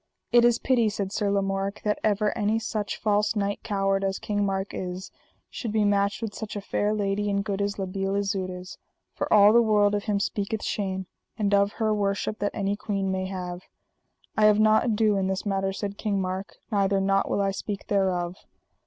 It is pity, said Sir Lamorak, that ever any such false knight coward as King Mark is, should be matched with such a fair lady and good as La Beale Isoud is, for all the world of him speaketh shame, and of her worship that any queen may have. I have not ado in this matter, said King Mark, neither nought will I speak thereof.